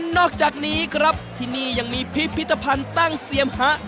นอกจากนี้ครับที่นี่ยังมีพิพิธภัณฑ์ตั้งเซียมฮะ